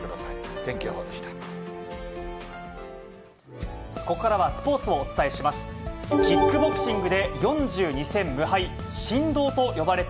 天気予報でした。